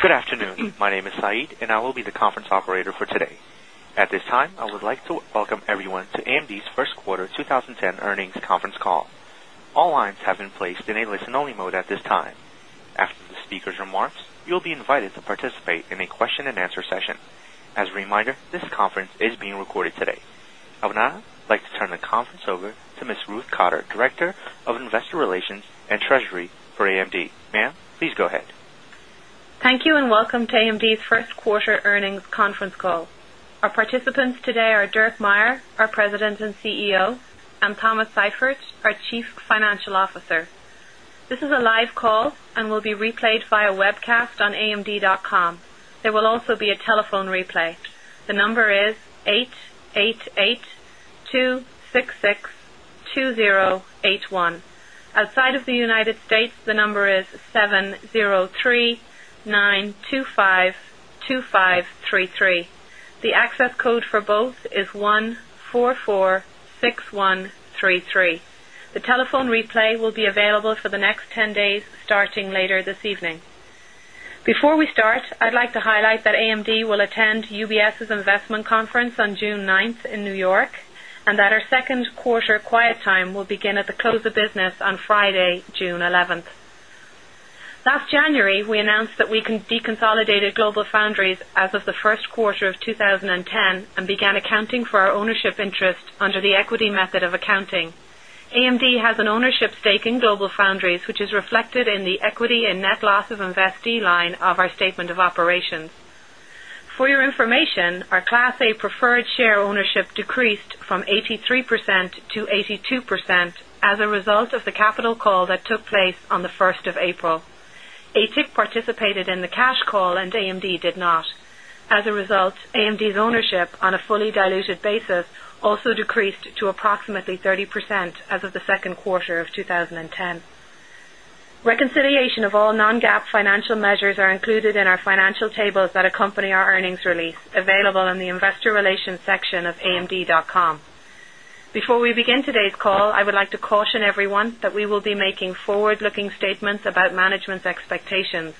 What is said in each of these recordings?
Good afternoon. My name is Saeed, and I will be the conference operator for today. At this time, I would like to welcome everyone to AMD's First Quarter 20 10 Earnings Conference Call. And Answer Session. As a reminder, this conference is being recorded today. I would now like to turn the conference over to Ms. Ruth Cotter, Director of Investor Relations and Treasury for AMD. Ma'am, please go ahead. Thank you, and welcome to AMD's Q1 earnings conference call. Our nineteen. Participants today are Dirk Meyer, our President and CEO and Thomas Seifert, our Chief Financial Officer. This nineteen. This is a live call and will be replayed via webcast on amd.com. There will also be a telephone replay. The number is 880 20662081. Outside of the United States, the number is 7 20 three-nine-two-five-two-five 3. The telephone replay will be available for the next 10 days starting later this evening. Before we start, I'd like to highlight nineteen. That AMD will attend UBS's Investment Conference on June 9 in New York and that our 2nd quarter quiet time $1,000,000 and ownership stake in GLOBALFOUNDRIES, which is reflected in the equity and net loss of investee line of our statement of operations. For your information, our 2018. Class A preferred share ownership decreased from 83% to 82% as a result of the capital call that took place on the 1st of 2018. Atik participated in the cash call and AMD did not. As a result, AMD's ownership on a fully diluted basis also decreased 20 10. Reconciliation of all non GAAP financial measures are included in our nineteen financial tables that accompany our earnings release available in the Investor Relations section of amd.com. Before we begin today's call, I would like to caution everyone that we will nineteen. We are making forward looking statements about management's expectations.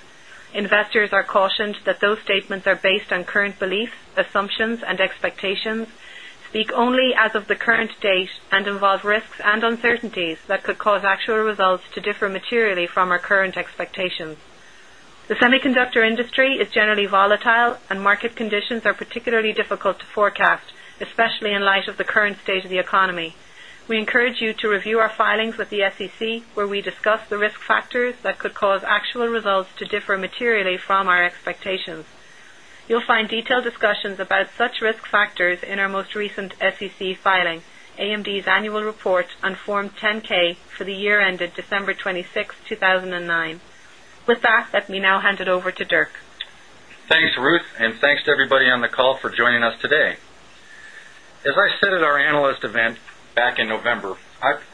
Investors are cautioned that those statements are based on current beliefs, assumptions and 2019. The Expectations. The semiconductor industry is generally volatile and market conditions are particularly difficult to forecast, 2019's annual report on Form 10 ks for the year ended December 26, 2009. With that, let me now hand it over to Dirk. Thanks, Ruth, and thanks nineteen.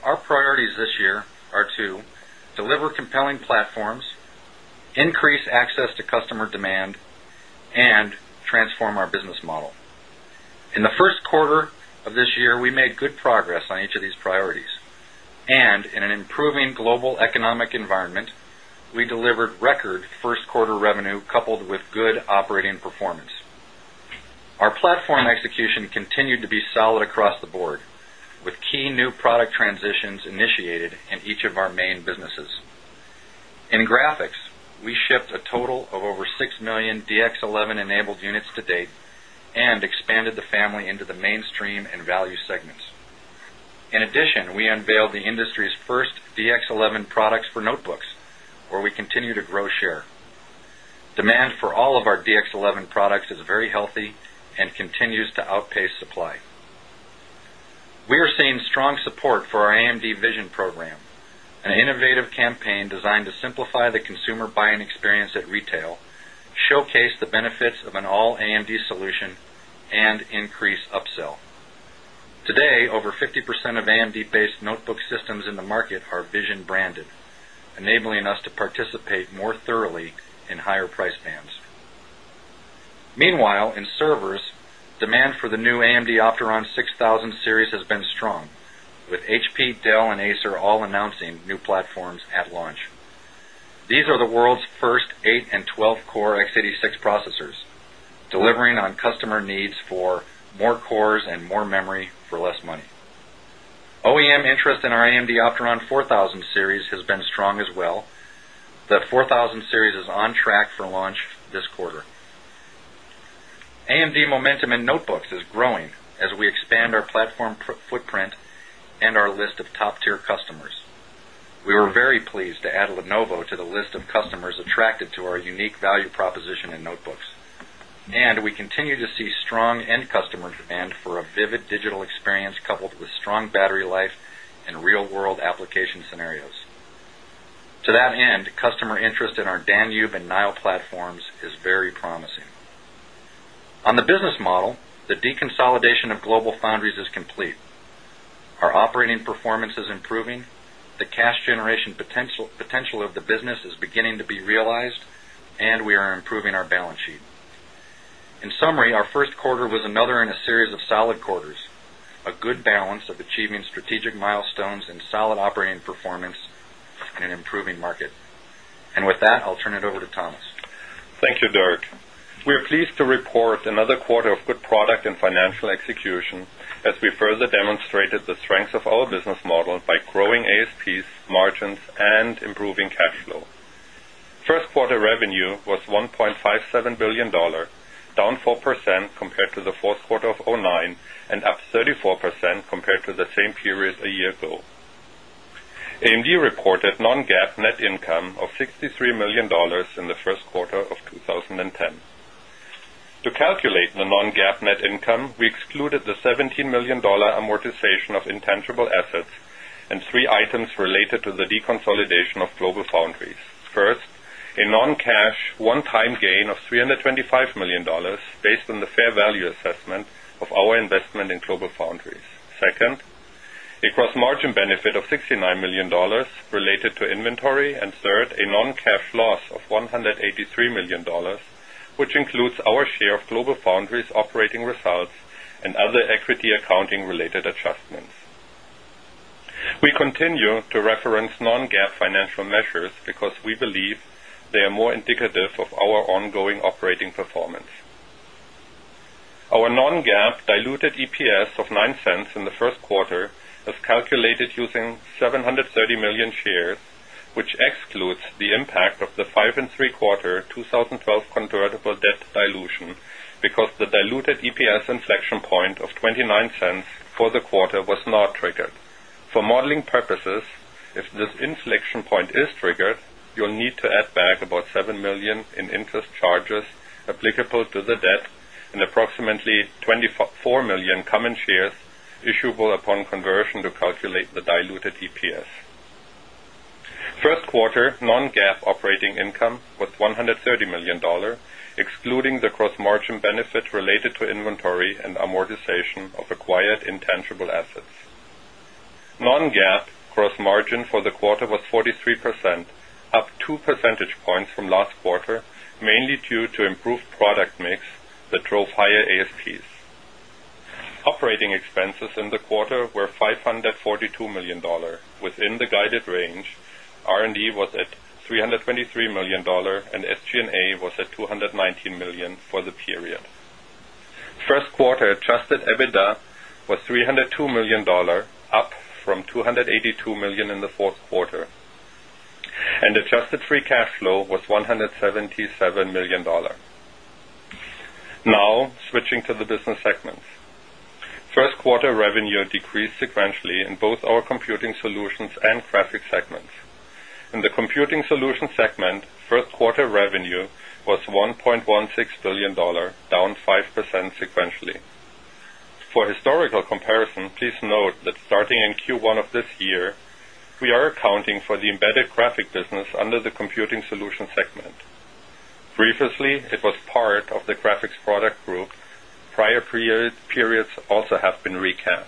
Our priorities this year are to deliver compelling platforms, increase access to customer demand and transform our eighteen business model. In the Q1 of this year, we made good progress on each of these priorities. And in an improving global 2019. We delivered record 1st quarter revenue coupled with good operating performance. Our 2019. Our platform execution continued to be solid across the board with key new product transitions initiated in each of our main 2019 and the family into the mainstream and value segments. In addition, we unveiled the industry's first DX11 products for notebooks, where we Retail, showcase the benefits of an all AMD solution and increase upsell. Today, over 50% 2017 on customer needs for more cores and more memory for less money. OEM interest in our AMD Optron 4 1,000 series has been strong as well. The 4,000 series is on track for launch this quarter. AMD nineteen. The momentum in notebooks is growing as we expand our platform footprint and our list of top tier customers. We customer demand for a vivid digital experience coupled with strong battery life and real world application scenarios. To that end, customer interest in our Danube 18. Our operating performance is improving, the cash generation potential of the business is beginning to be realized, and we are improving our 2019 balance sheet. In summary, our Q1 was another in a series of solid quarters, a good balance of achieving strategic milestones and solid operating performance in an improving market. And with that, I'll turn it over to Thomas. Thank you, Dirk. We are pleased to report another quarter of good product and financial execution as we further demonstrated the strength of our business model by growing ASPs, margins and improving twenty nineteen. 1st quarter revenue was $1,570,000,000 down 4% compared to the Q4 of 'nine and up 34% compared to the same period a year ago. AMD reported non GAAP net income of $63,000,000 in the Q1 of 2010. To calculate the non GAAP net income, we excluded the $17,000,000 amortization 20.5% of the total interest expense and three items related to the deconsolidation of GlobalFoundries. First, a non cash one time gain of $325,000,000 based on the fair value assessment of our investment in GlobalFoundries. 2nd, a eighteen. Gross margin benefit of $69,000,000 related to inventory and third, a non cash loss of $183,000,000 which nineteen. This includes our share of GLOBALFOUNDRIES operating results and other equity accounting related adjustments. We 2019. I will continue to reference non GAAP financial measures because we believe they are more indicative of our ongoing operating performance. Our non eighteen. GAAP diluted EPS of $0.09 in the Q1 is calculated using 730,000,000 shares, which excludes the impact 12 convertible debt dilution because the diluted EPS inflection point of 0.2 $9 for the quarter was not triggered. For modeling purposes, if this inflection point is triggered, you'll need to add back about 7,000,000 2019 in interest charges applicable to the debt and approximately 24,000,000 common shares, issuable upon conversion $20,000,000 excluding the gross margin benefit related to inventory and amortization of acquired intangible assets. Non eighteen. GAAP gross margin for the quarter was 43%, up 2 percentage points from last quarter, mainly due to improved product mix that that drove higher ASPs. Operating expenses in the quarter were $542,000,000 within the guided range. R and D was at 3 $23,000,000 and SG and A was at $219,000,000 for the period. 1st quarter adjusted EBITDA was 3 $302,000,000 up from $282,000,000 in the 4th quarter and adjusted free cash flow was 100 $77,000,000 Now switching to the business segments. 1st quarter revenue decreased 2019. We are pleased to report that we are seeing traction in both our Computing Solutions and Graphics segments. In the Computing Solutions segment, 1st quarter 2019 was $1,160,000,000 down 5% sequentially. For historical comparison, please note that starting in Q1 of this 2019. We are accounting for the Embedded Graphics business under the Computing Solutions segment. Previously, it eighteen.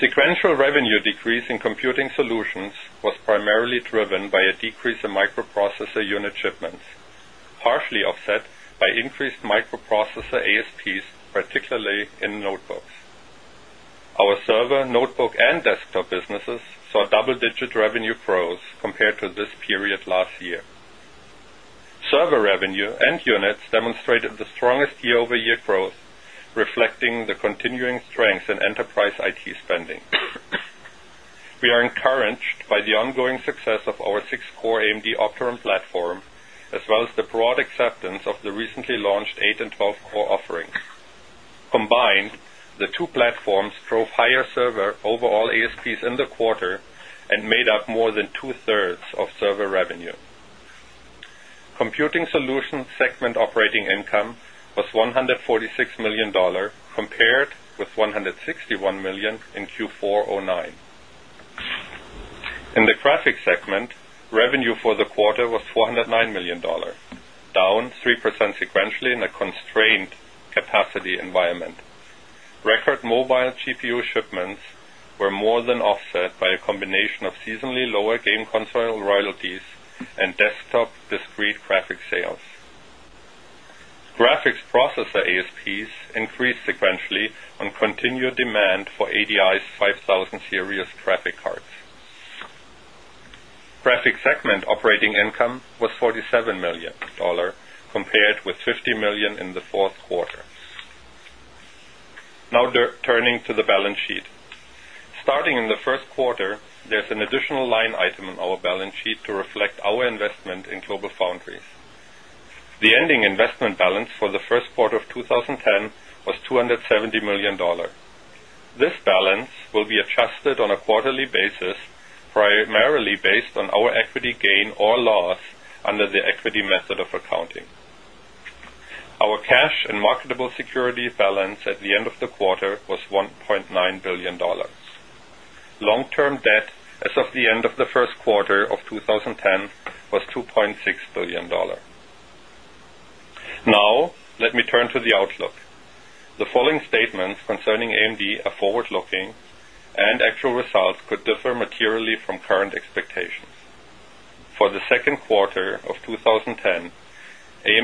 Sequential revenue decrease in computing solutions was primarily driven by a decrease in microprocessor unit shipments, partially offset by increased microprocessor ASPs, particularly in notebooks. Our server, notebook and 19.5% of our total revenue growth compared to this period last year. Server revenue and units demonstrated the 2019. We are 2019 by the ongoing success of our 6 core AMD Optum platform as well as the broad acceptance of the recently launched 8 and 12 core offerings. Combined, the 2 platforms drove higher server overall ASPs in the quarter and made $46,000,000 compared with $161,000,000 in Q4 'nine. In the Graphics segment, revenue for quarter was $409,000,000 down 3% sequentially in a constrained capacity environment. Record mobile GPU 2 shipments were more than offset by a combination of seasonally lower game console royalties and desktop discrete 20. Graphics processor ASPs increased sequentially on continued demand for ADI's 5 1,000 Sirius traffic cards. Graphics segment operating income was $47,000,000 compared 2019. I'm going to turn the call over to our financial results. The ending investment balance for the Q1 of 20 10 was $270,000,000 This balance will be adjusted on a quarterly basis, primarily based on our equity 2018 or loss under the equity method of accounting. Our cash and marketable securities balance at the end of the quarter was 1,900,000,000 2019. Long term debt as of the end of the Q1 of 2010 was $2,600,000,000 Now, let 2019. Let me turn to the outlook. The following statements concerning AMD are forward looking and actual results could differ materially 2019. For the Q2 of 2010,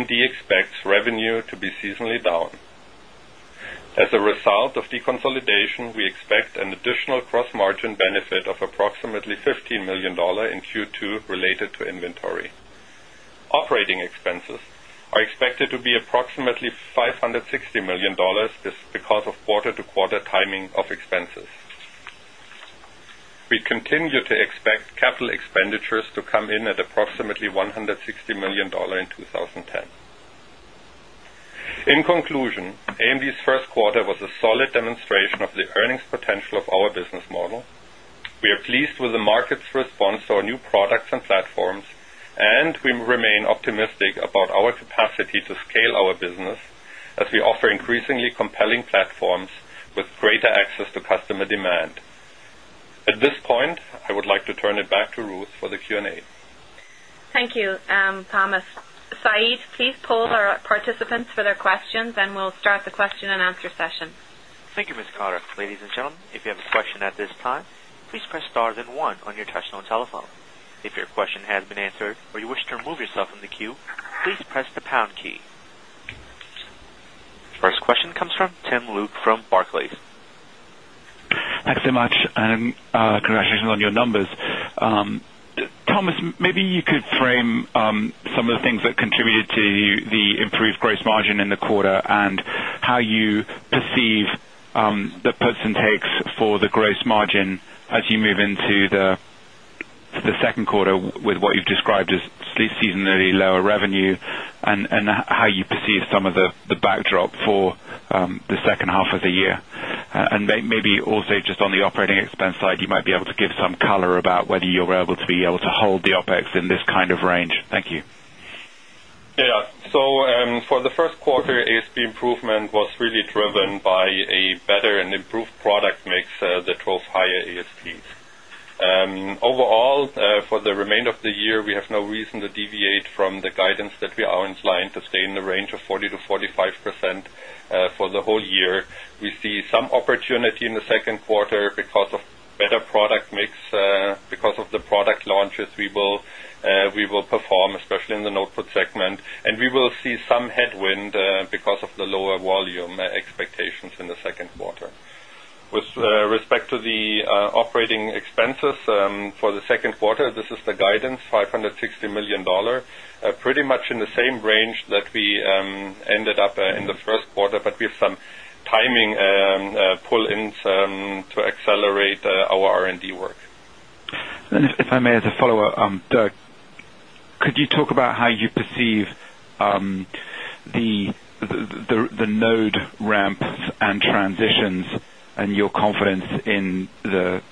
AMD expects revenue Q1 was a solid demonstration of the earnings potential of our business model. We are pleased with the market's response with greater access to customer demand. At this point, I would like to turn it back to Ruth for the Q and A. Thank you, Thomas. Saiid, please poll participants for their questions and we'll start the question and answer session. Thank you, Ms. First question comes from Tim Luke from Barclays. Thanks so much and congratulations on your 2nd numbers. Thomas, maybe you could frame some of the things that contributed to the improved gross margin in the quarter and how you With what you've described as seasonally lower revenue and how you perceive some of the backdrop for 2nd half of the year. And maybe also just on the operating expense side, you might be able to give some color about whether you're able to be able to hold 20. Yes. So for the Q1, ASP improvement was really driven by a better and improved product mix that drove higher ASPs. 2019. Overall, for the remainder of the year, we have no reason to deviate nineteen. Because of the product launches, we will perform, especially in the notebook segment, and we nineteen. Could you talk about how you perceive the node ramps and transitions and your confidence In the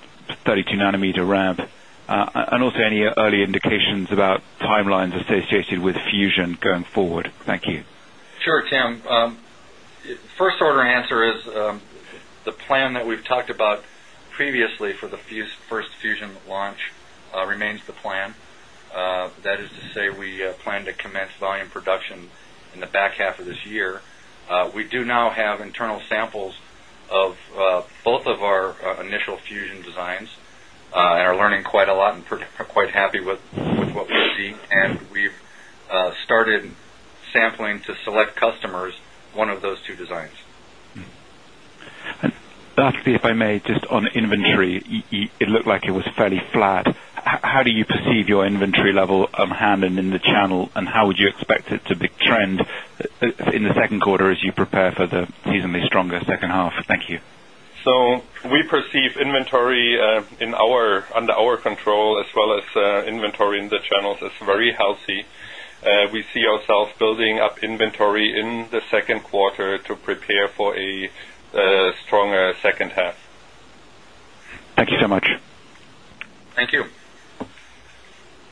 32 nanometer ramp and also any early indications about timelines associated with Fusion going forward? Thank you. Sure, 2019. That is to say we plan to commence volume production in the back half of this year. We do now have internal samples of both of our initial fusion designs and are learning quite a lot and quite happy with 14th. And we've started sampling to select customers one of those two designs. And actually, if I may, just on inventory, it looked like it was fairly flat. How do you perceive your inventory level on hand in the channel? And how would you eighteen. Keep inventory in our under our control as well as inventory in the channels is very healthy. We see ourselves building 18.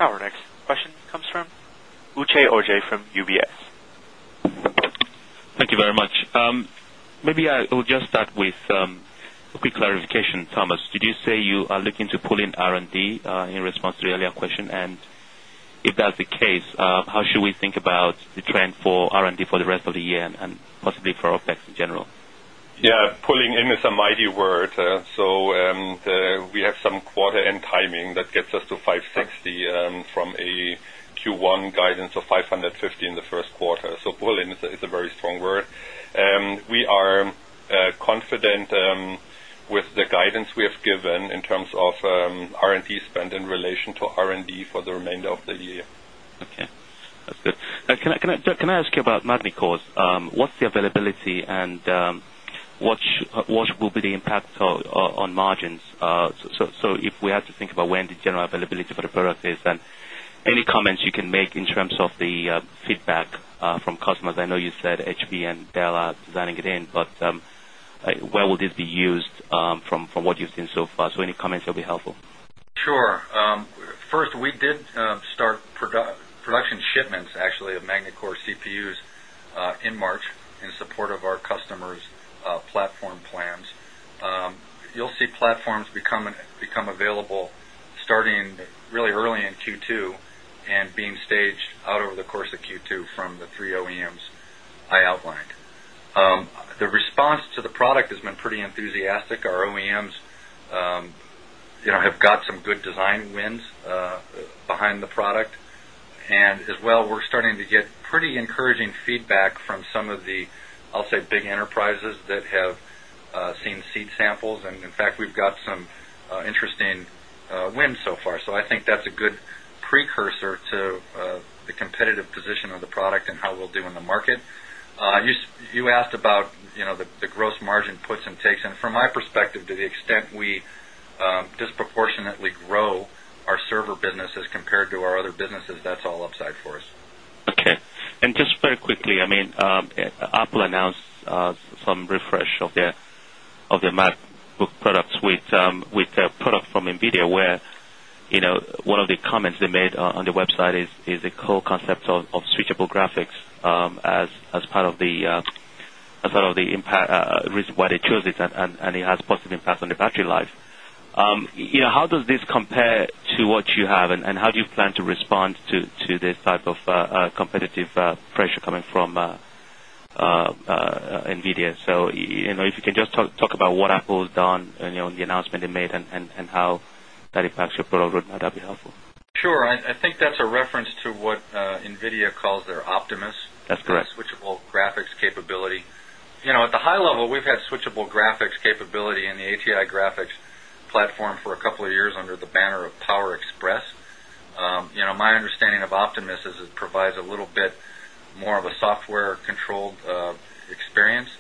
Our next question comes from Uche Ojei from UBS. Thank you very much. Maybe I will just nineteen. A quick clarification, Thomas, did you say you are looking to pull in R and D in response to the earlier question? And if that's the case, how should we think about the trend for R and D for the rest of the year and possibly for OpEx in general. Yes, pulling in is a mighty word. So quarter. So Berlin is a very strong word. We are confident with the guidance we have given in terms of R 20 spend in relation to R and D for the remainder of the year. Okay. Can I ask you about Madnicor's? 16. What's the availability and what will be the impact on margins? So to be helpful. Sure. First, we did start production shipments actually of MagnaCore CPUs in March in support of our customers platform plans. You'll see platforms become available starting really early in Q2 and being over the course of Q2 from the 3 OEMs I outlined. The response to the product has been pretty enthusiastic. Our 2019. I have got some good design wins behind the product and as well 2018 win so far. So I think that's a good precursor to the competitive position of the product and how we'll do in the market. You asked The gross margin puts and takes and from my perspective to the extent we disproportionately grow our server 20. Okay. And just very quickly, I mean, Apple announced some refresh of their Graphics as part of the impact risk why they chose it and it has positive impact on the battery life. 20. How does this compare to what you have? And how do you plan to respond to this type of competitive pressure coming from NVIDIA. So if you can just talk about what Apple has done and the announcement they made and how that impacts your product, that would be helpful. Sure. I think that's a reference to what NVIDIA calls their Optimus. That's correct. Switchable graphics capability. At the high level, we've 6th quarter switchable graphics capability in the ATI graphics platform for a couple of years under the banner of Power Express. 2019. My understanding of OPTIMIS is it provides a little bit more of a software controlled experience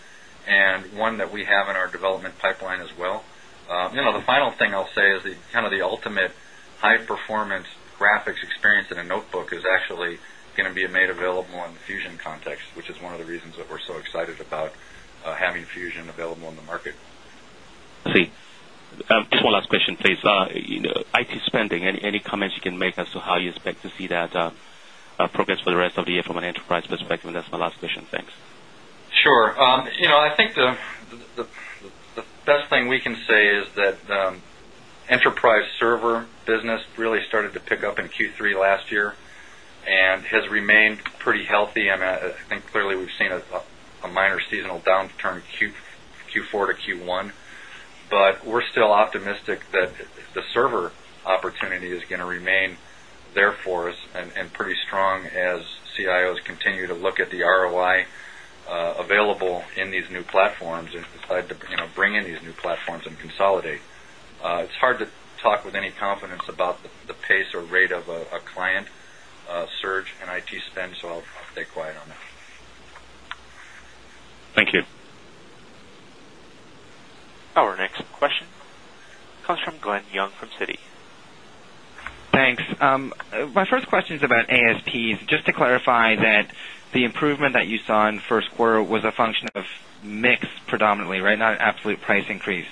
and one that we have in our development pipeline as well. Eighteen. The final thing I'll say is the kind of the ultimate high performance graphics experience in a notebook is actually going to be made available on the Fusion context, which is one of the reasons We're so excited about having Fusion available in the market. Just one last question please. IT Spending, any comments you can make as to how you expect to see that progress for the rest of the year from an enterprise perspective? That's my last question. Thanks. Really started to pick up in Q3 last year and has remained pretty healthy. I mean, I think clearly, we've seen a minor seasonal downturn Q4 Q1, but we're still optimistic that the server opportunity is going to remain there for us and pretty strong as CIOs continue to look at the Hard to talk with any confidence about the pace or rate of a client surge in IT spend, so I'll stay quiet on that. Thank 20 Q. Our next question comes from Glenn Young from Citi. Thanks. My first question is about eighteen. Just to clarify that the improvement that you saw in Q1 was a function of mix predominantly, right, not absolute price increase.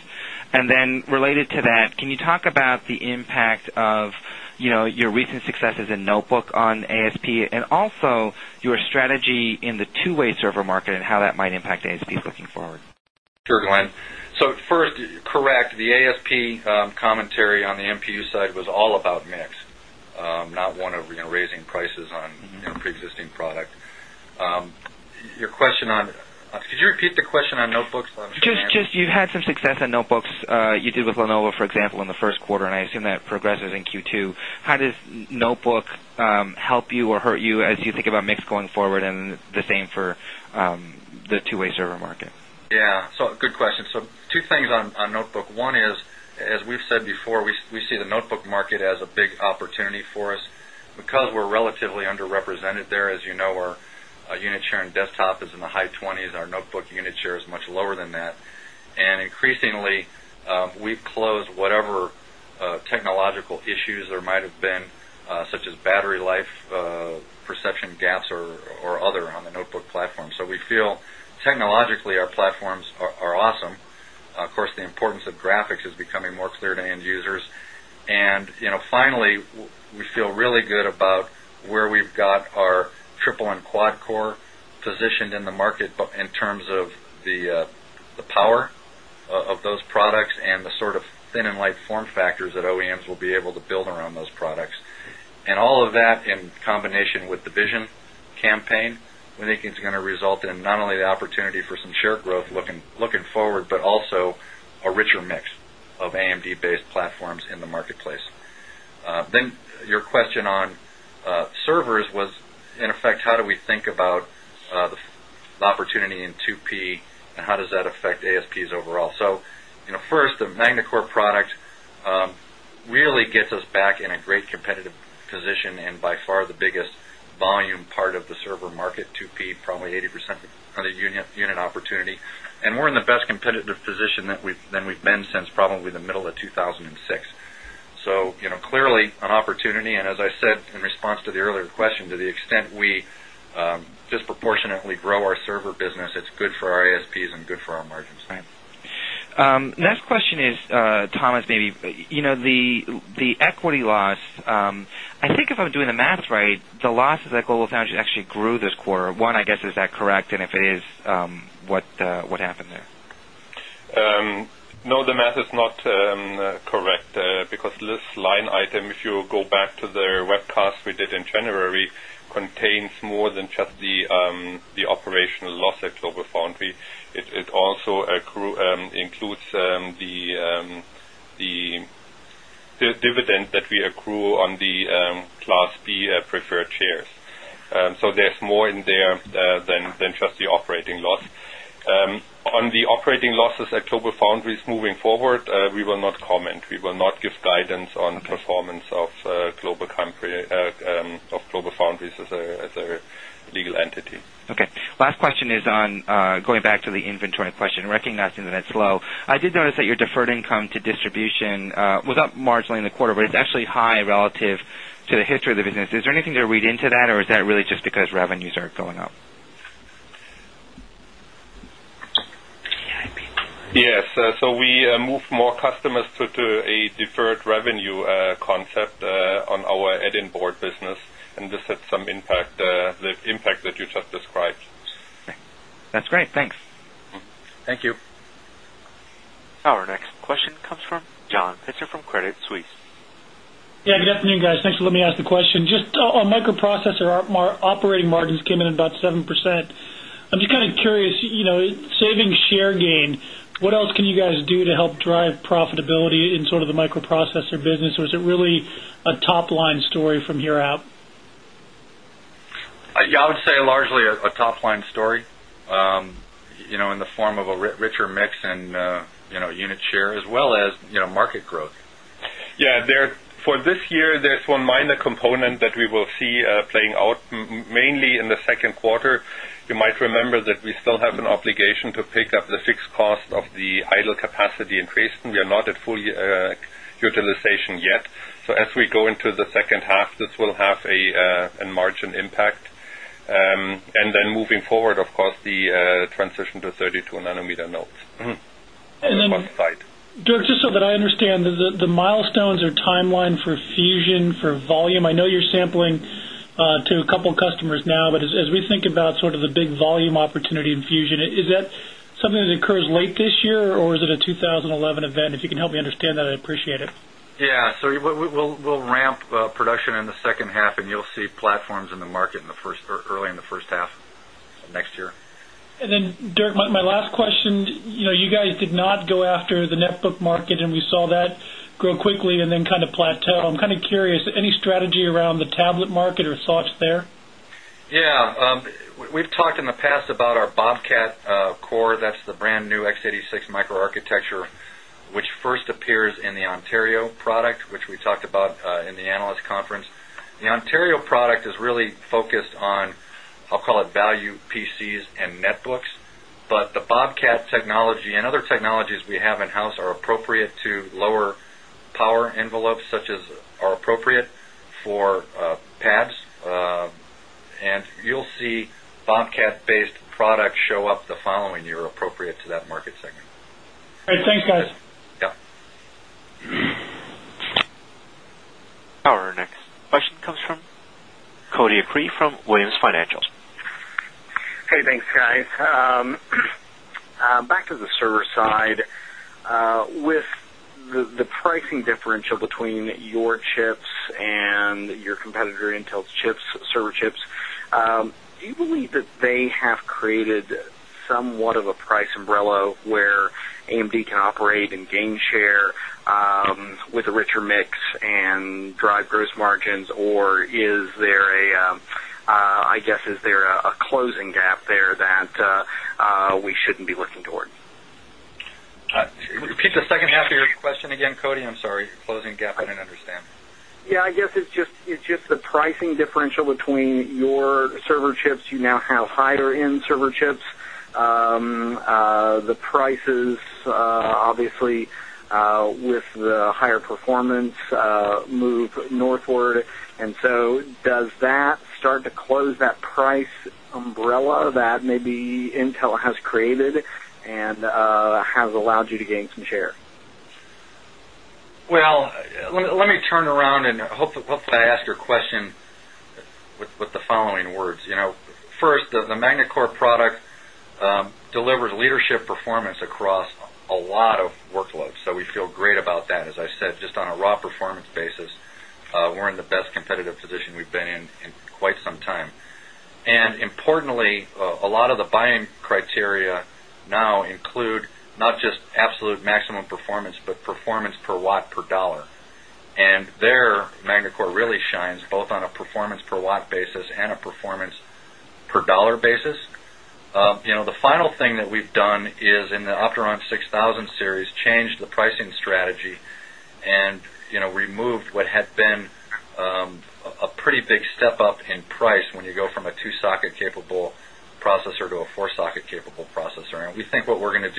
And And then related to that, can you talk about the impact of your recent successes in notebook on ASP and also your strategy in the two way server market and how that might impact the ASPs looking forward. Sure, Glenn. So first, correct, the ASP commentary nineteen. Could you repeat the question on notebooks? Just you've had some success on notebooks you did with Lenovo, for example, in the Q1 and I assume that progresses in Q2. How 2019. How does notebook help you or hurt you as you think about mix going forward and the same for the two way server market? Yes. So, good question. So, two eighteen. Two things on notebook. One is, as we've said before, we see the notebook market as a big opportunity for us, because we're relatively underrepresented there. As you know, our nineteen. There might have been such as battery life, perception gaps or other on the notebook platform. So, we feel 2019. Technologically, our platforms are awesome. Of course, the importance of graphics is becoming more clear to end users. And 2019. Finally, we feel really good about where we've got our triple and quad core positioned in the market in terms of the 2019. Power of those products and the sort of thin and light form factors that OEMs will be able to build around those products. And all of that in combination with the campaign. We think it's going to result in not only the opportunity for some share growth looking forward, but also a richer mix of AMD based platforms in the marketplace. Then your question on servers was in effect how 2019. Really gets us back in a great competitive position and by far the biggest volume part of the server market 2P, probably 80% 2019. As I said in response to the earlier question, to the extent we disproportionately grow our server business, it's good for our ASPs and good for our margins. 2019. Next question is, Thomas, maybe the equity loss, I think if I'm doing the math right, the losses at GlobalFoundation actually grew this quarter. 1, I guess, is that correct? And if it is, what happened there? No, the math is not correct because this line item, It also includes the dividend that we accrue on the Class B Preferred Shares. So there's more in there than just the operating loss. On the operating losses at GlobalFoundries moving Going forward, we will not comment. We will not give guidance on performance of GlobalFoundries as a legal entity. Last question is on going back to the inventory question, recognizing that it's low. I did notice that your deferred income to distribution was Marginally in the quarter, but it's actually high relative to the history of the business. Is there anything to read into that or is that really just because revenues are going up? Yes. So we moved more customers to a deferred revenue concept on our add our next question comes from John Hitzer from Credit Suisse. Yes, good afternoon guys. Thanks for letting me ask the question. Just on microprocessor, operating margins came in about 7 percent. I'm just kind of curious, saving share gain, what else can you guys do to help drive profitability in sort of the microprocessor business? Or is it really a 2019. Yes, I would say largely a top line story in capacity increase and we are not at full utilization yet. So as we go into the second half, this will have a margin impact. And then moving forward, of course, the transition to 32 nanometer nodes. And then Dirk, just 30 Infusion. Is that something that occurs late this year or is it a 2011 event? If you can help me understand that, I'd appreciate it. Yes. So we'll ramp production in the 2nd half and you'll see platforms in the market in the first early in the first half of next year. And then Dirk, my last question, you guys did not go after the netbook nineteen. We saw that grow quickly and then kind of plateau. I'm kind of curious, any strategy around the tablet market or thoughts there? Yes. We've 2019. In the analyst conference, the Ontario product is really focused on, I'll call it, value PCs and netbooks, but the Bobcat technology and other 2019. The 2nd largest quarter of the year, the 2nd largest quarter of the year. Nineteen. And you'll see Bobcat based products show up the following year appropriate to that market segment. Financials. Hey, thanks guys. Back to the server side, With the pricing differential between your chips and your competitor Intel's chips, Server Chips. Do you believe that they have created somewhat of a price umbrella where AMD can operate and gain share 2019. With a richer mix and drive gross margins or is there a I guess is there a closing gap there that Repeat the second half of your question again, Cody. I'm sorry, closing gap, I didn't understand. Yes, I guess it's just nineteen. Just the pricing differential between your server chips, you now have higher end server chips, the prices, seventeen. Obviously, with the higher performance move northward, and so does that 2019. Well, let me turn around and hope that I ask your question with the following eighteen. First, the MagnaCore product delivers leadership performance across a lot of workloads. So, we feel great about that. As I nineteen. Importantly, a lot of the buying criteria now include not just absolute maximum performance, but performance per watt per dollar. And nineteen. Final thing that we've done is in the Opteon 6000 series changed the pricing strategy and removed what had been nineteen. A pretty big step up in price when you go from a 2 socket capable processor to a 4 socket capable processor. And we 20.7% and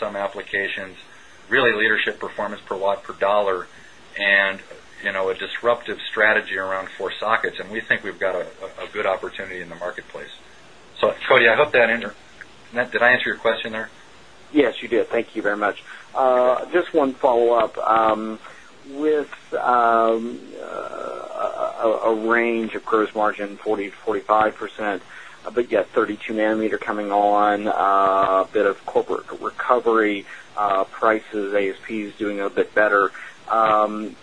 some applications, really leadership performance per watt per dollar and a disruptive strategy round 4 sockets and we think we've got a good opportunity in the marketplace. So, Cody, I hope that did I answer your question there? Yes, you did. Thank you very much. 18. Just one follow-up. With a range of gross margin 40% to 40 5%, but yet 32 nanometer coming on, a bit of corporate recovery, prices, ASP is doing a bit better. 2019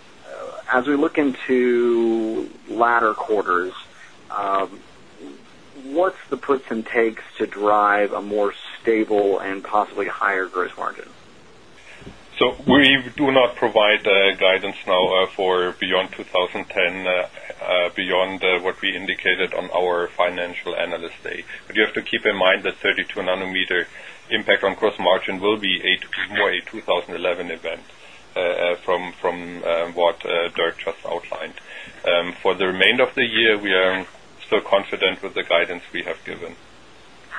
beyond what we indicated on our Financial Analyst Day. But you have to keep in mind that 32 nanometer impact 18. End of the year, we are still confident with the guidance we have given.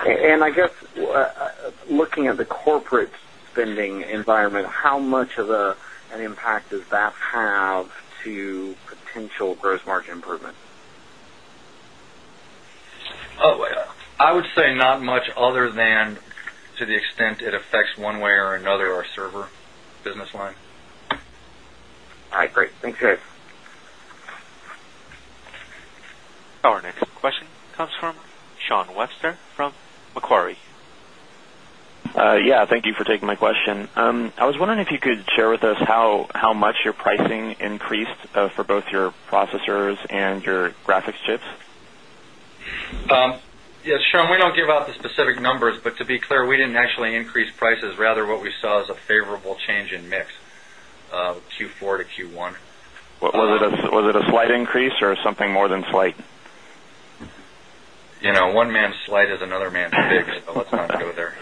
And I guess, looking at the corporate spending environment, how eighteen. I would say not much other than to the extent it affects one way or another our server business line. For both your processors and your graphics chips. Yes, Sean, we don't give out the specific eighteen numbers, but to be clear, we didn't actually increase prices rather what we saw is a favorable change in mix Q4 to Q1. Was it a slight increase or One man's flight is another man's big, so let's not go there.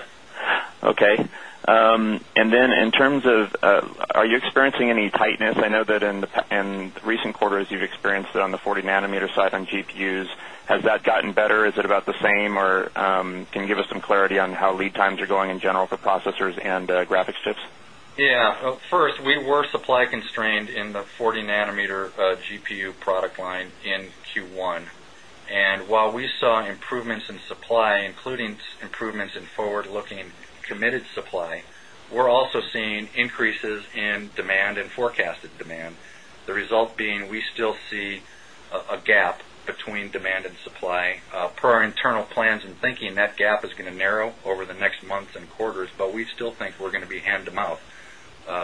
Okay. 2019. And then in terms of are you experiencing any tightness? I know that in recent quarters, you've experienced it on the 40 nanometer side on GPUs. Has that gotten better? Is it about the same? Or can you give us some clarity on how lead times are going in general for processors and graphics chips? Yes. First, 2019's improvements in forward looking committed supply. We're also seeing increases in demand and forecasted demand. The result being we 2019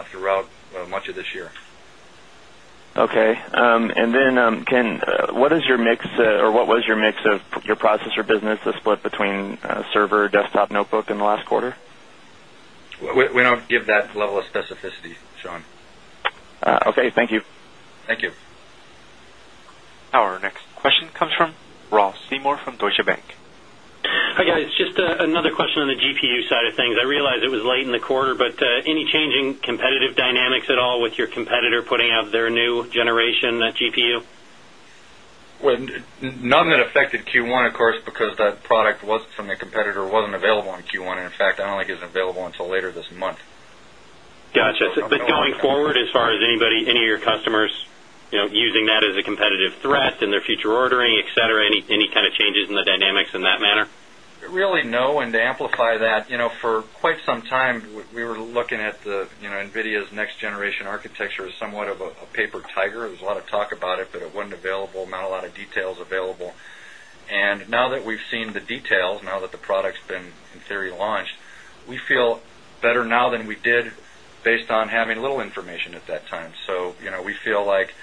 throughout much of this year. Okay. And then, 6 or what was your mix of your processor business, the split between server desktop notebook in the last quarter? We don't give that eighteen. Our next question comes from Ross Seymore from Deutsche Bank. Hi, guys. Just another question on the GPU side of things. I realize it was late in the quarter, But any changing competitive dynamics at all with your competitor putting out their new generation GPU? None that affected Q1, of course, That product was from the competitor wasn't available in Q1 and in fact I don't think it's available until later this month. Got you. But going forward as far Anybody any of your customers using that as a competitive threat in their future ordering, etcetera, any kind of changes in the dynamics in that manner? Really no. And to amplify that, for quite some time, we were looking at the 20. For quite some time, we were looking at NVIDIA's next generation architecture as somewhat of a paper 2019. I grew, there was a lot of talk about it, but it wasn't available, not a lot of details available. And now that we've seen the details, now that the product has been in theory launched, we We feel better now than we did based on having little information at that time. So we feel like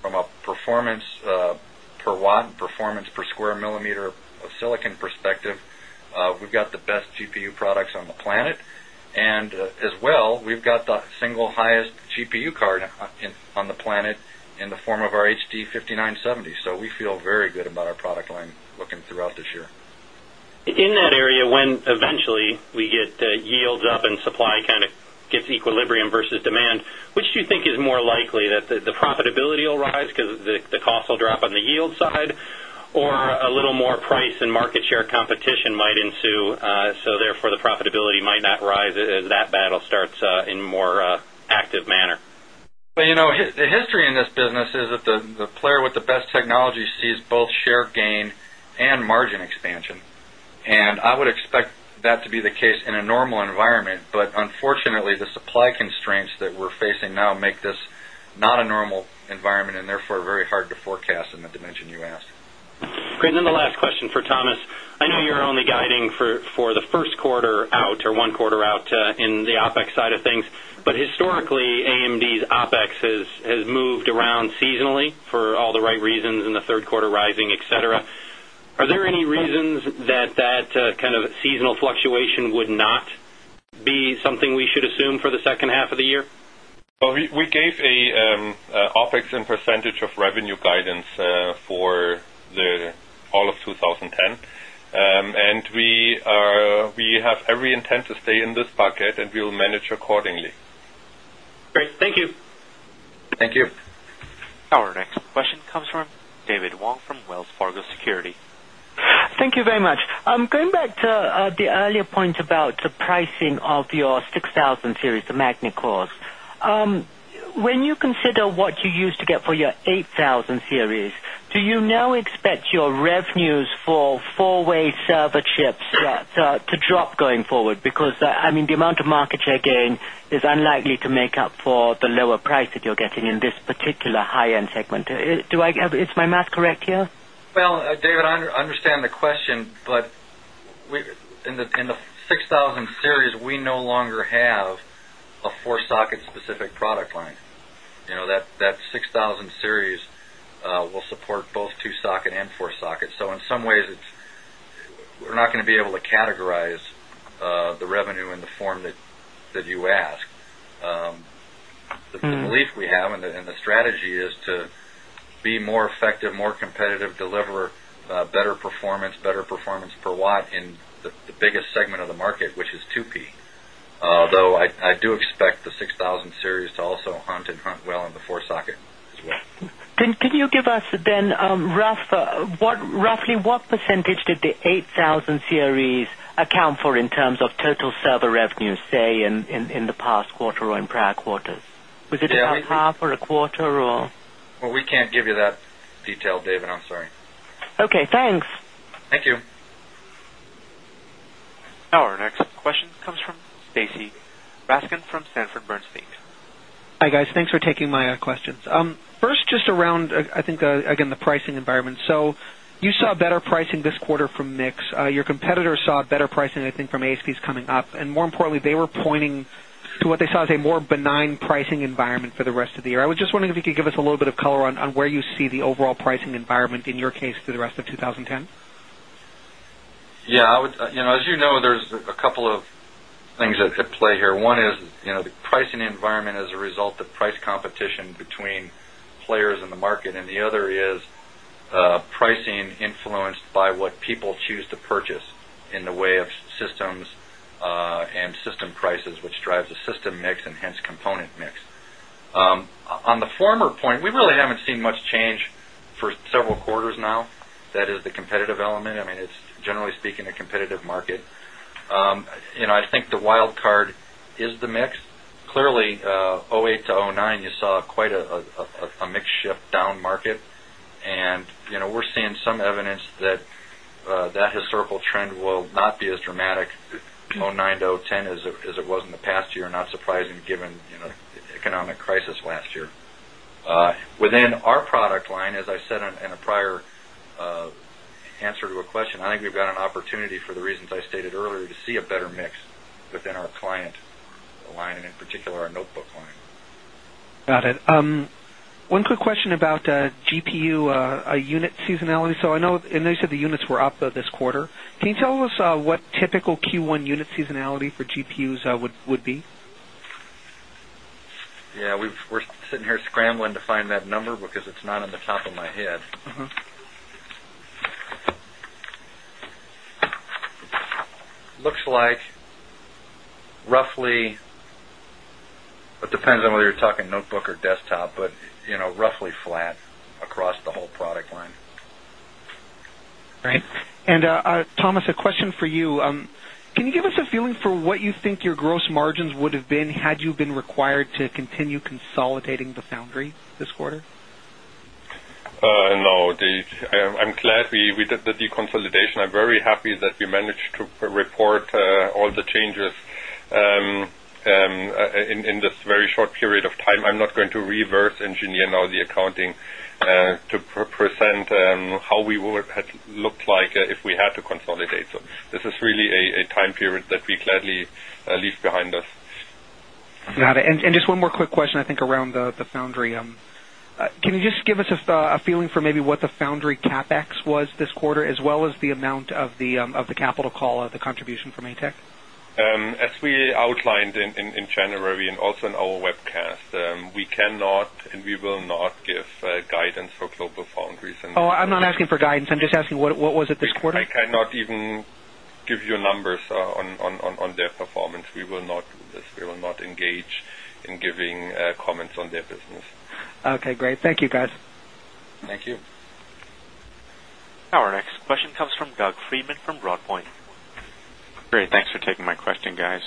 from a performance per watt 20.5% per square millimeter of silicon perspective. We've got the best GPU products on the planet and as well we've We've got the single highest GPU card on the planet in the form of our HD 5,970. So we feel very good about our product line looking throughout this So you'll rise because the cost will drop on the yield side or a little more price and market share competition might ensue, so therefore the profitability might not rise as that The history in this business is that the player with the best technology 2019. And I would expect that to be the case in a normal environment, Great. And then the last question for Thomas. I know you're only guiding for the Q1 out or 1 quarter out in the OpEx side of things. But historically, AMD's OpEx has 2019. But historically, AMD's OpEx has moved around seasonally for all the right reasons in the Q3 rising, etcetera. Are eighteen. Is there any reasons that that kind of seasonal fluctuation would not be something we should assume for the second half of the year? 10. We gave an OpEx and percentage of revenue guidance for all of 2010. And 2019. Thank you. Our next question comes from David Wong from Wells Fargo Securities. Thank you very much. Going back to The earlier point about the pricing of your 6,000 series, the MagnaCore. When you consider what you used to get for your 8,000 series, do eighteen. Do you now expect your revenues for 4 way server chips to drop going forward? Because I mean, the amount of market No longer have a 4 socket specific product line. That 6,000 series We'll support both 2 socket and 4 sockets. So in some ways, we're not going to be able to categorize the revenue in the form that The belief we have and the strategy is to be more effective, more competitive, deliver eighteen. Better performance per watt in the biggest segment of the market, which is 2P. Although, I do expect the 6 1,000 series to also hunt and hunt well in the 4 socket as well. Then could you give us then roughly what percentage did the 8,000 2,000 CREs account for in terms of total server revenue, say, in the past quarter or in prior quarters. Was it a half or a quarter 2019. Our next question comes from Stacy Rasgon from Sanford Bernstein. Hi, guys. Thanks for taking my questions. First, just around, I think, again, the pricing environment. So you saw better pricing this quarter from mix. Your competitors saw better pricing I think from ASPs coming up and more 2020. They were pointing to what they saw as a more benign pricing environment for the rest of the year. I was just wondering if you could give us a little bit of color on where you the overall pricing environment in your case for the rest of 2010? Yes. As you know, there's a couple of things that One is the pricing environment as a result of price competition between players in the market and the other is nineteen. Pricing influenced by what people choose to purchase in the way of systems and system 2019, which drives the system mix and hence component mix. On the former point, we really haven't seen much change for 2017. Several quarters now. That is the competitive element. I mean, it's generally speaking a competitive market. I think the wildcard is the mix. Clearly, The reasons I stated earlier to see a better mix within our client line and in particular our notebook line. Got 2019. One quick question about GPU unit seasonality. So I know you said the units were up this quarter. Can you tell us Looks It's like roughly it depends on whether you're talking notebook or desktop, but roughly flat across the whole product line. Great. And Thomas, a question for you. Can you give us a feeling for What you think your gross margins would have been had you been required to continue consolidating the foundry this quarter? No. I'm glad we did the deconsolidation. I'm very happy that we managed to report all the changes 2019 and how we would look like if we had to consolidate. So this is really a time period that we gladly leave behind us. Got it. And just one more quick question, I think around the foundry. Can you just give us a feeling for maybe what the foundry CapEx was this quarter as well the amount of the capital call of the contribution from ATEC. As we outlined in January and also 20 hour webcast. We cannot and we will not give guidance for GlobalFoundries. I'm not asking for guidance. I'm just asking what was Q1. I cannot even give you numbers on their performance. We will not engage in Doug Freeman from Broadpoint. Great. Thanks for taking my question, guys.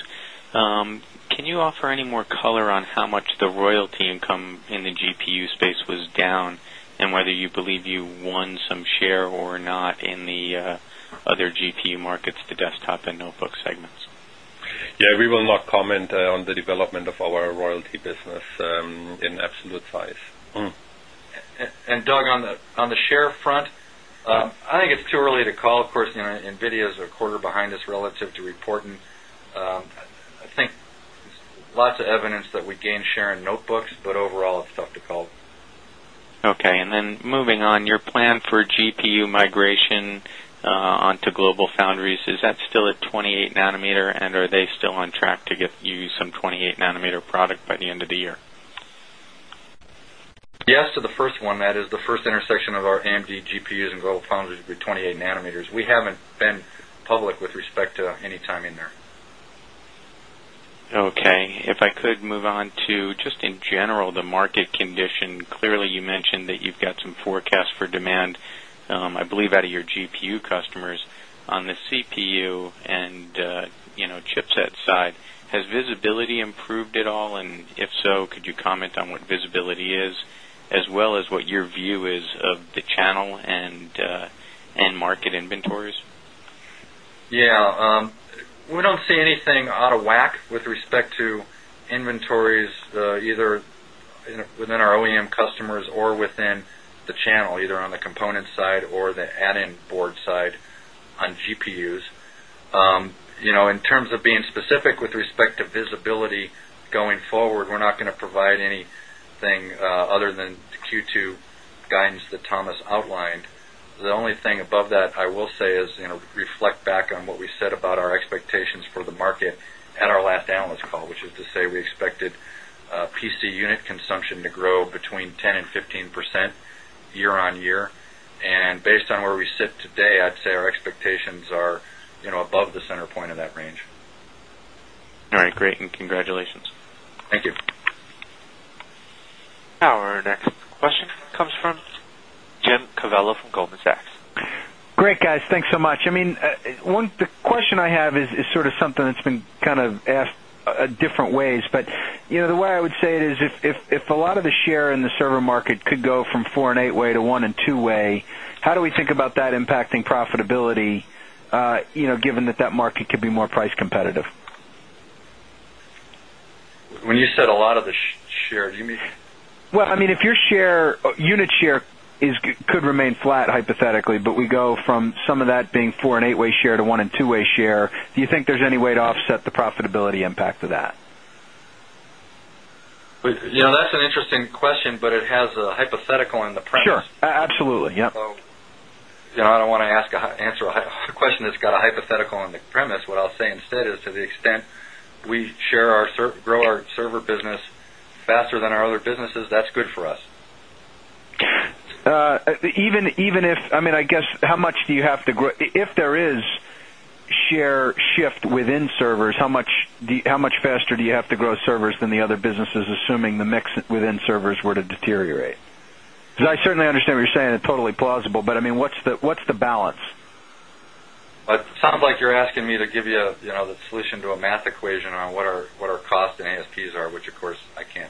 Can you offer any more color on how much the royalty income in the GPU was down and whether you believe you won some share or not in the other GPU markets, the desktop and notebook segments. Yes, eighteen. We will not comment on the development of our royalty business in absolute size. And Doug, On the share front, I think it's too early to call, of course, NVIDIA is a quarter behind us relative to reporting. I think 2019. Lots of evidence that we gained share in notebooks, but overall it's tough to call. Okay. And then moving on, your plan for GPU migration onto GlobalFoundries. Is that still at 28 nanometer? And are they still on track to get you some 28 nanometer product by the end of the Yes. So, the first one that is the first intersection of our AMD GPUs and gold foundries with 28 nanometers. We haven't been public with nineteen. With respect to inventories either within our OEM customers or within the channel, either on the component side or 2020. Going forward, we're not going to provide anything other than the Q2 guidance that Thomas outlined. The only thing above that I will say is reflect back on what we said about our expectations for the market at our last analyst call, which is to say we expected PC unit consumption to grow between 10% 15% year on year. And based on where we sit today, I'd say Our next question comes from Jim Covello from Goldman Sachs. Great guys. Thanks so much. I mean, one question nineteen. I have is sort of something that's been kind of asked different ways. But the way I would say it is, if a lot of the share in the server market When you said a lot of the share, do you mean? Well, I mean if your share unit share could Could remain flat hypothetically, but we go from some of that being 4 and 8 way share to 1 and 2 way share. Do you think there's any way to offset That's an interesting question, but it has a hypothetical on the premise. Sure. Absolutely. Yes. I I don't want to ask answer a question that's got a hypothetical on the premise. What I'll say instead is to the extent we share our grow our server business Assuming the mix within servers were to deteriorate. Because I certainly understand what you're saying, it's totally plausible, but I mean, what's the balance? It sounds nineteen. You're asking me to give you the solution to a math equation on what our cost and ASPs are, which of course I can't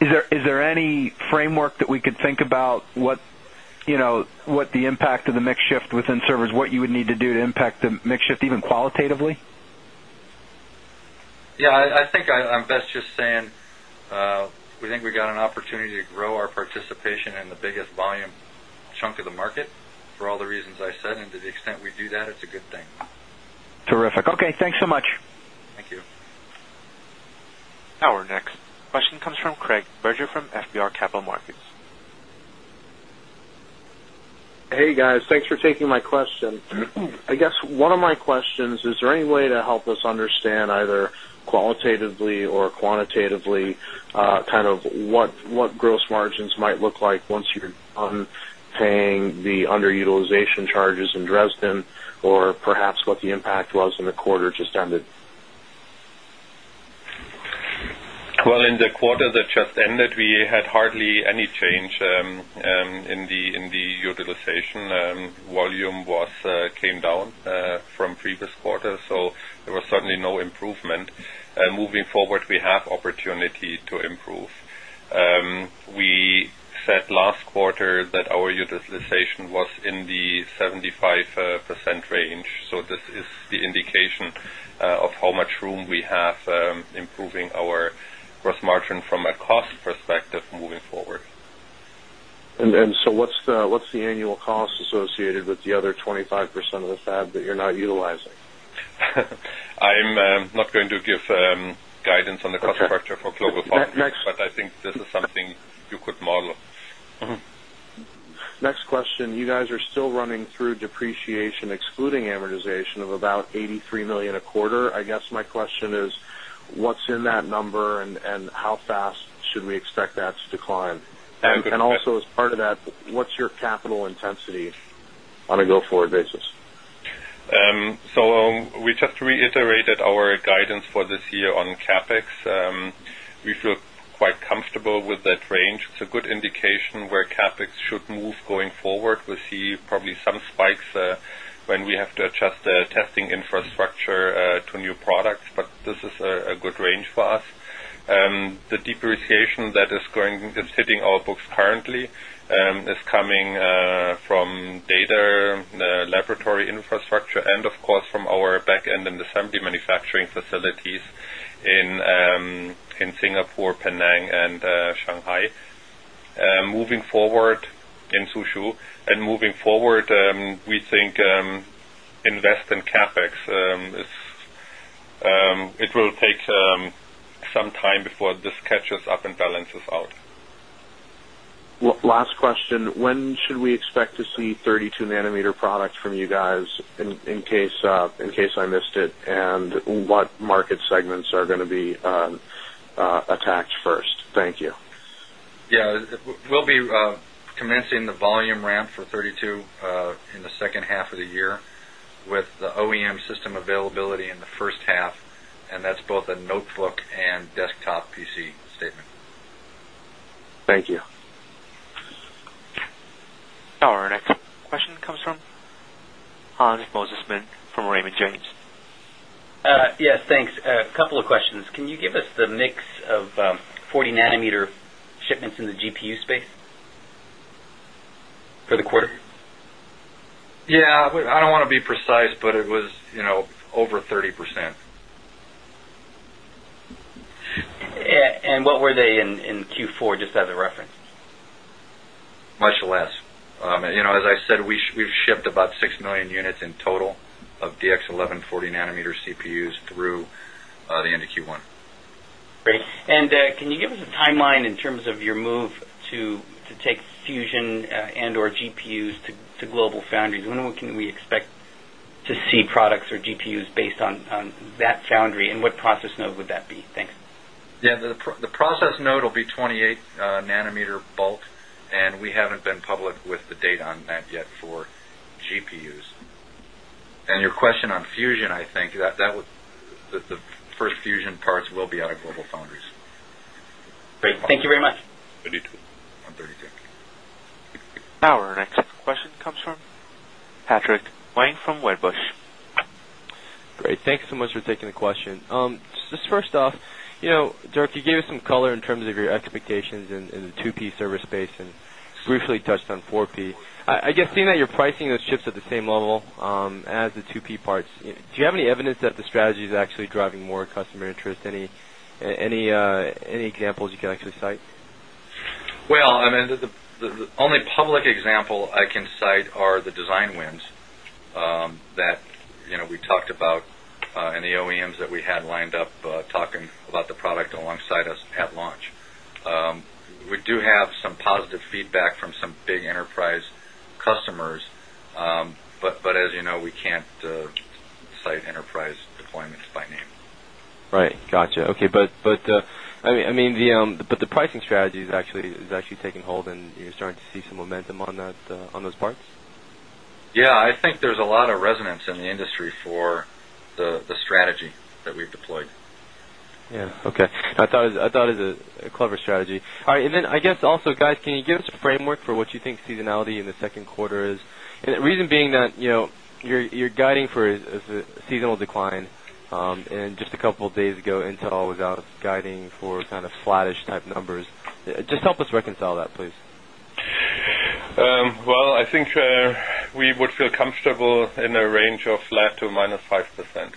do. Is there any framework that we could think about what the impact of the mix shift within servers, what you would need to do to impact the mix shift even 2019. Our next question comes from Craig Berger from FBR Capital Markets. Hey, guys. Thanks for taking my question. I guess one of my questions, is there any way to help us understand either qualitatively or quantitatively 2019. Kind of what gross margins might look like once you're done paying the underutilization charges in Dresden or Perhaps what the impact was in the quarter just ended? Well, in the quarter that just ended, we quarter. So, there was certainly no improvement. Moving forward, we have opportunity to improve. We said last quarter that our utilization was in the 75% range. So this is the indication of how much room And also as part of that, what's your capital intensity on a go forward basis? Nineteen. Coming from data laboratory infrastructure and of course from our back end in December manufacturing eighteen Facilities in Singapore, Penang and Shanghai. Moving forward in Suzhou and moving forward, 2019. Last question, when should we expect to see 30 2 nanometer product from you guys in case I missed it and what market segments are going to be second half of the year with the OEM system availability in the first half and that's both a notebook and desktop PC statement. Our next question comes from Hans Assistant from Raymond James. Yes, thanks. A couple of questions. Can you give us the mix of 40 nanometer shipments GPU Space. For the quarter? Yes, I don't want to be precise, but it Over 30%. And what were they in Q4, just as a reference? Much 2019. As I said, we've shipped about 6,000,000 units in total of DX11 40 nanometer CPUs through the end of Q1. Eighteen. And can you give us a timeline in terms of your move to take Fusion and or GPUs to global foundries? I wonder what can we To see products or GPUs based on that foundry and what process node would that be? Thanks. Yes, the process node will be 20 22. Our next question comes from Patrick Wang from Wedbush. Great. Thanks so much for taking the 2019. Just first off, Dirk, you gave us some color in terms of your expectations in the 2P server space and briefly touched on 4P. I guess seeing that you're pricing those chips at the same level as the 2P parts, do you have any evidence that the strategy is actually driving more customer interest? Any examples you can actually cite. Well, I mean, the only public example I can cite are the design wins that we big enterprise customers. But as you know, we can't cite enterprise deployments by name. Right, got you. Okay. But I mean, the pricing strategy is actually taking hold and you're starting to see some momentum on that on those parts? Yes, eighteen. I think there's a lot of resonance in the industry for the strategy that we've deployed. Yes, okay. Nineteen. I thought it was a clever strategy. All right. And then I guess also guys, can you give us a framework for what you think seasonality in the second quarter is? And the reason being that you're 2019 for a seasonal decline. And just a couple of days ago Intel was out guiding for kind of flattish type numbers. Just help us reconcile 12. Well, I think we would feel comfortable in the range of flat to minus 5%.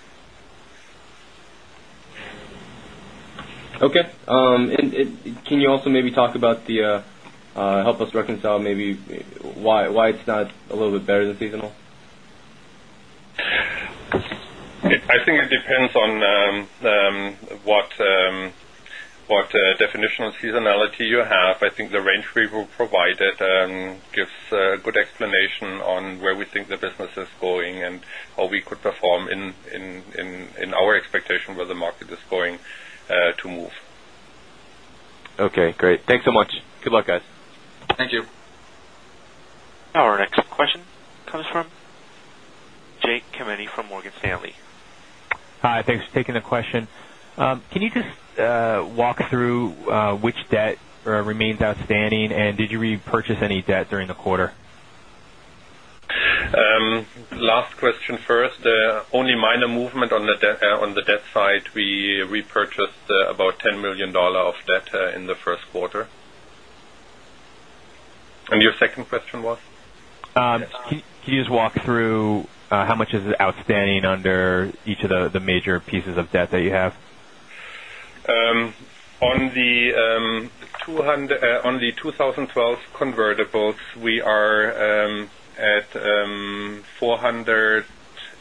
Okay. And can you also maybe talk about the help us Our next question comes from Jake Kemeny from Morgan Stanley. Hi, thanks for taking the question. Can Can you just walk through which debt remains outstanding? And did you repurchase any debt during the quarter? Last question first. Only minor movement on the debt side. We repurchased about $10,000,000 of debt in the Q1. And your second question was? Can you just walk through how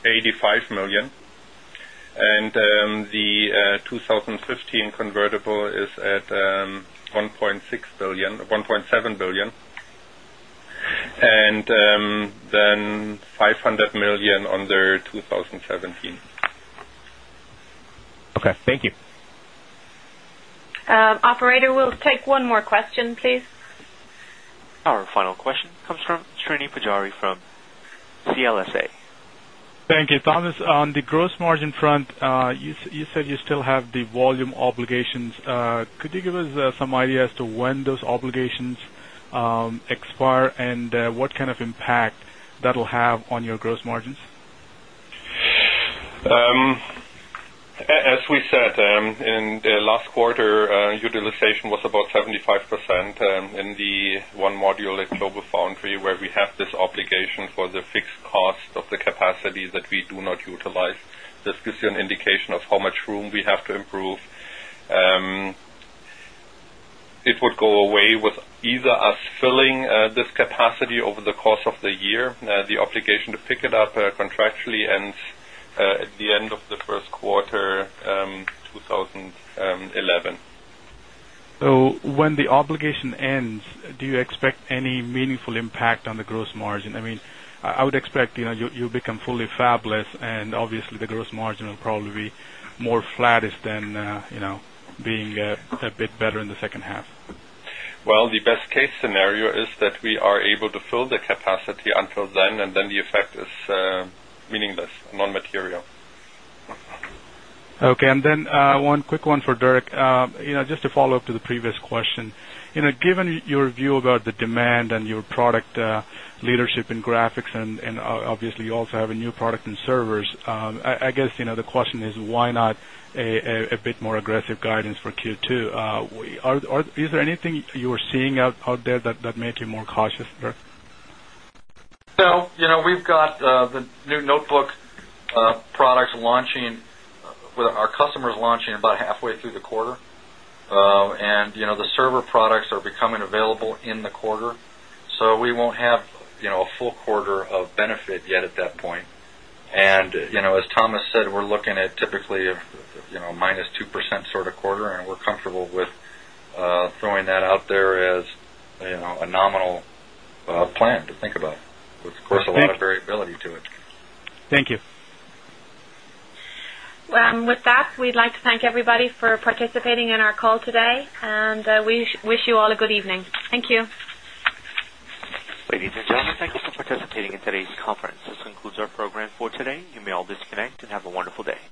€85,000,000 And the 2015 convertible is at €1,600,000,000 1.7 $1,000,000,000 and then $500,000,000 on the 2017. Question comes from Srini Pajjari from CLSA. Thank you. Thomas, on the gross margin front, you said you still 2019. Could you give us some idea as to when those obligations expire and what kind of impact that will have 2019. As we said in the last quarter, utilization was 75% in the 1 module like global foundry where we have this obligation for the fixed cost of the capacity that we do not utilize. This gives you nineteen. It would go away with either us filling this capacity over the course of the year, the obligation to pick it up contractually ends at the end of the first quarter 2011. So when the obligation ends, do you expect any meaningful impact on the gross margin? 2019. I mean, I would expect you become fully fabless and obviously the gross margin will probably be more flattish than being A bit better in the second half. Well, the best case scenario is that we are able to fill the capacity until then previous question. Given your view about the demand and your product leadership in graphics and obviously you also have a new product in servers, I guess, the question is why not a bit more aggressive guidance for Q2? Is there anything you're seeing out there that make you more cautious? Nineteen. Thank you. With that, we'd like to thank everybody for 2018 in our call today, and we wish you all a good evening. Thank you. 18 and today's conference. This concludes our program for today. You may all disconnect and have a wonderful day.